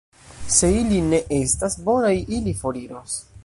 Se ili ne estas bonaj, ili foriros.